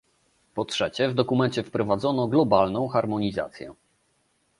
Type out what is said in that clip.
Po trzecie w dokumencie wprowadzono globalną harmonizację